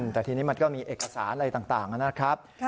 แต่ทีนี้มันก็มีเอกสารอะไรต่างนะครับ